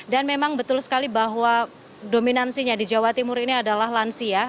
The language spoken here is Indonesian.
dan memang betul sekali bahwa dominansinya di jawa timur ini adalah lansia